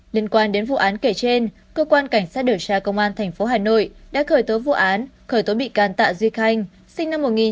liên quan đến vụ án kể trên cơ quan cảnh sát điều tra công an tp hà nội đã khởi tố vụ án khởi tố bị can tạ duy khanh